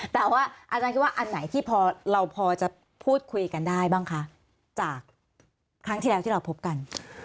แต่ว่าอาจารย์คิดว่าอันไหนที่เราพอจะพูดคุยกันได้บ้างคะจากครั้งที่แล้วที่เราพบกัน